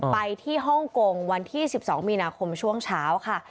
ไปที่ฮ่องกงวันที่๑๒มีนาคมช่วงเช้าค่ะ